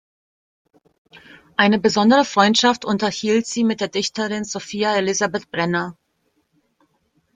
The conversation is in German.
Eine besondere Freundschaft unterhielt sie mit der Dichterin Sophia Elisabet Brenner.